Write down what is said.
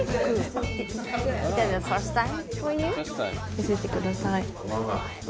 見せてください。